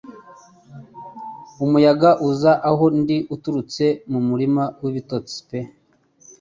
Umuyaga uza aho ndi uturutse mu murima w'ibitotsi pe